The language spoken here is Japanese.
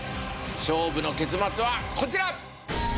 勝負の結末はこちら！